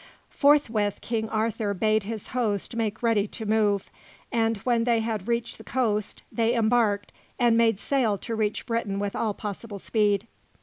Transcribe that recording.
Forthwith, King Arthur bade his host make ready to move, and when they had reached the coast, they embarked and made sail to reach Britain with all possible speed.